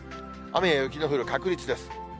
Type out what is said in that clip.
雨や雪の降る確率です。